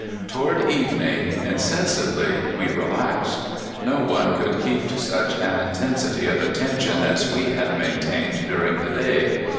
Toward evening insensibly we relaxed. No one could keep to such an intensity of attention as we had maintained during the day.